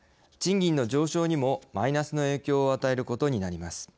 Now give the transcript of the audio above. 賃金の上昇にもマイナスの影響を与えることになります。